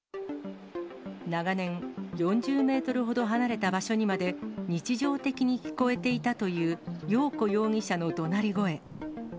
長年、４０メートルほど離れた場所にまで、日常的に聞こえていたというよう子容疑者のどなり声。